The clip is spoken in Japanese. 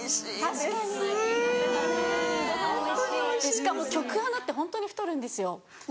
・確かに新潟・しかも局アナってホントに太るんですよ。